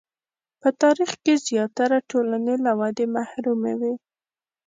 په تاریخ کې زیاتره ټولنې له ودې محرومې وې.